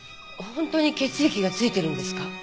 本当に血液が付いているんですか？